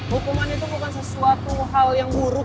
hukuman itu bukan sesuatu hal yang buruk